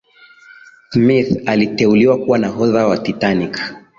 smith aliteuliwa kuwa nahodha wa titanic